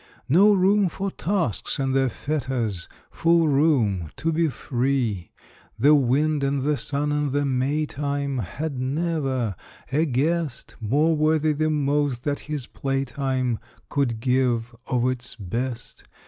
No room for tasks and their fetters: Full room to be free. The wind and the sun and the Maytime Had never a guest More worthy the most that his playtime Could give of its best.